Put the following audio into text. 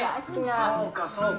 そうか、そうか。